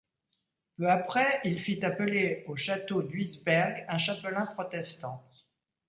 Peu après, il fit appeler au château d'Huis Bergh un chapelain protestant.